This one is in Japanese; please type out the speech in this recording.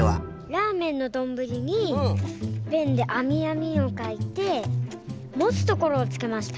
ラーメンのどんぶりにペンであみあみをかいてもつところをつけました。